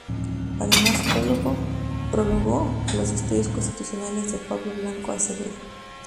Además, prologó los "Estudios Constitucionales" de Pablo Blanco Acevedo.